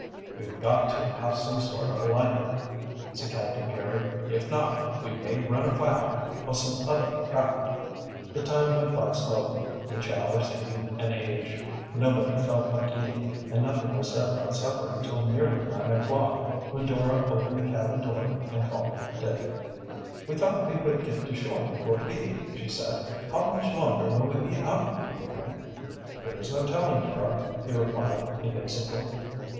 "We've got to, have some sort o' light," said Captain Jerry. "If not, we may run afoul o' some other craft." The time went by slowly, each hour seeming an age. Nobody felt like eating, and nothing was said about supper until nearly nine o'clock, when Dora opened the cabin door and called Dick: "We thought we would get to shore before eating," she said. "How much longer will we be out, do you think?" "There is no telling, Dora," he replied evasively.